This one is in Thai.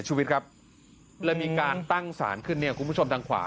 ชีวิตครับเลยมีการตั้งสารขึ้นเนี่ยคุณผู้ชมทางขวา